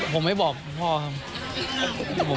ผมไม่บอกคุณพ่อครับ